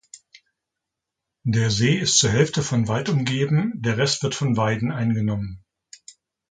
Der See ist zur Hälfte von Wald umgeben, der Rest wird von Weiden eingenommen.